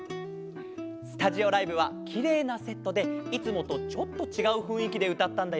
スタジオライブはきれいなセットでいつもとちょっとちがうふんいきでうたったんだよね。